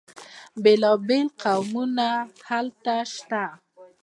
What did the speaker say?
بیلا بیل قومونه هلته شته.